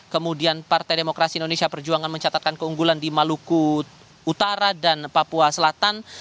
kemudian partai demokrasi indonesia perjuangan mencatatkan keunggulan di maluku utara dan papua selatan